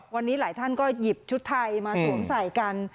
วันนี้หลายท่านก็หยิบชุดไทยมาสวมใส่กัน